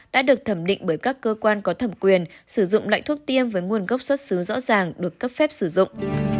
đã được thẩm định bởi các cơ quan có thẩm quyền sử dụng loại thuốc tiêm với nguồn gốc xuất xứ rõ ràng được cấp phép sử dụng